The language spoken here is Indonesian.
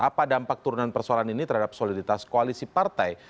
apa dampak turunan persoalan ini terhadap soliditas koalisi partai